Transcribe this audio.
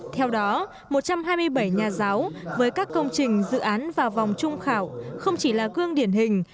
theo đó một trăm hai mươi bảy nhà giáo với các công trình dự án vào vòng trung khảo không chỉ là gương điển hình